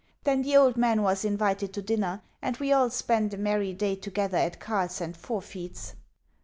Then the old man was invited to dinner and we all spent a merry day together at cards and forfeits.